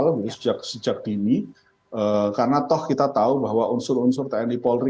lebih sejak dini karena toh kita tahu bahwa unsur unsur tni polri